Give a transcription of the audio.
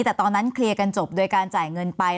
แต่ตอนนั้นเคลียร์กันจบโดยการจ่ายเงินไป